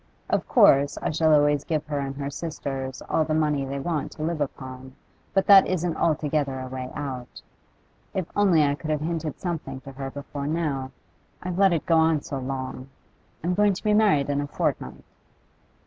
Of course I shall always give her and her sisters all the money they want to live upon, but that isn't altogether a way out. If only I could have hinted something to her before now. I've let it go on so long. I'm going to be married in a fortnight.